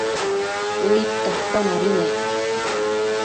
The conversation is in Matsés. Uidta atonabi nec